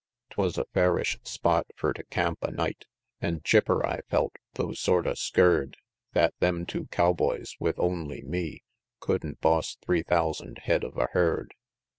V. 'Twas a fairish spot fur to camp a' night; An' chipper I felt, tho' sort of skeer'd That them two cowboys with only me, Couldn't boss three thousand head of a herd.